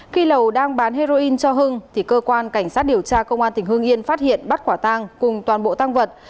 khi lầu đang bán heroin cho hưng cơ quan cảnh sát điều tra công an tỉnh hưng yên phát hiện bắt quả tang cùng toàn bộ tang vật